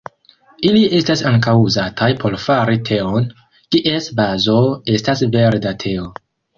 Ili estas ankaŭ uzataj por fari teon, kies bazo estas verda teo.